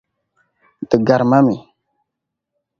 Di garima mi.